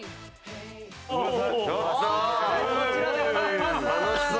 こちらでございます。